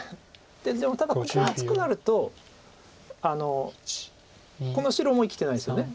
でもただここは厚くなるとこの白も生きてないですよね。